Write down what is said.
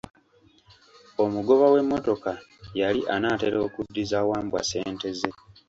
Omugoba w'emmotoka yali anaatera okuddiza Wambwa ssente ze.